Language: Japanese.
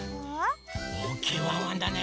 おおきいワンワンだね！